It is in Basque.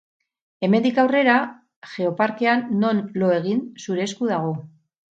Hemendik aurrera, Geoparkean non lo egin zure esku dago.